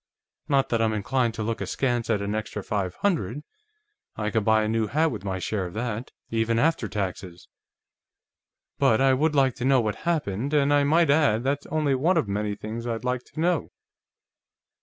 Not that I'm inclined to look askance at an extra five hundred I can buy a new hat with my share of that, even after taxes but I would like to know what happened. And I might add, that's only one of many things I'd like to know."